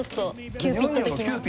キューピッドだ。